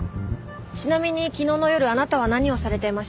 ちなみに昨日の夜あなたは何をされていました？